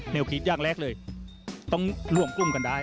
แนวคิดยากแรกเลยต้องร่วมกุ้มกันได้